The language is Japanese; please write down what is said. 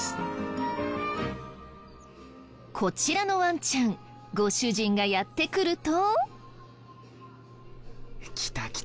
こちらのワンちゃんご主人がやって来ると。